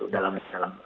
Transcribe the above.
dalam perkembangan hukum